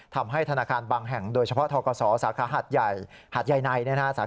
ทำให้ธนาคารบางแห่งโดยเฉพาะทกศสาขาหัดใยนัย